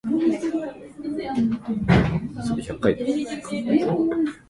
「紙を捨てなけれれば、あの車も使えないしね」そう言って、男は笑った。顔も笑っていた。